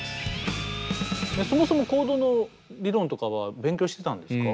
そもそもコードの理論とかは勉強してたんですか？